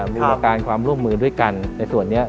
มีการความร่วมมือด้วยกันในส่วนนี้